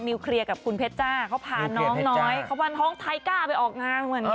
เคลียร์กับคุณเพชรจ้าเขาพาน้องน้อยเขาว่าน้องไทก้าไปออกงานเหมือนกัน